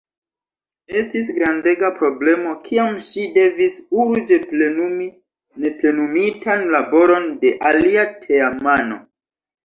Estis grandega problemo kiam ŝi devis “urĝe plenumi neplenumitan laboron de alia teamano.